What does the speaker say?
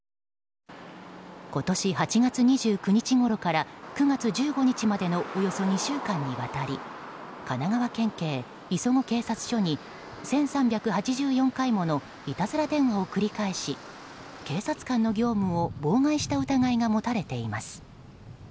今年８月２９日ごろから９月１５日までのおよそ２週間にわたり神奈川県警磯子警察署に１３８４回ものいたずら電話を繰り返し警察官の業務を妨害した疑いが持たれています。